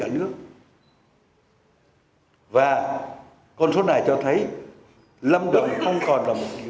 địa phương còn nhiều tiềm năng đang nhanh chóng hình thành một cực tăng trưởng của khu vực miền trung tây nguyên